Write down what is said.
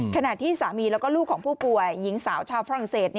ขณะที่สามีแล้วก็ลูกของผู้ป่วยหญิงสาวชาวฝรั่งเศส